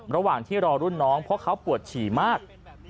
ระหว่างที่รอรุ่นน้องเพราะเขาปวดฉี่มาก